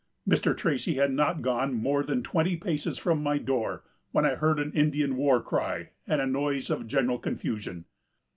Mr. Tracy had not gone more than twenty paces from my door, when I heard an Indian war cry, and a noise of general confusion.